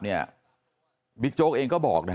เนี่ยบิ๊กโจ๊กเองก็บอก